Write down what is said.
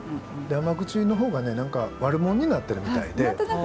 で甘口の方が何か悪者になってるみたいで。